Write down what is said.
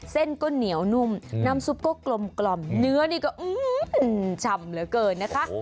เส้นก็เหนียวนุ่มน้ำซุปก็กลมเนื้อนี่ก็ฉ่ำเหลือเกินนะคะ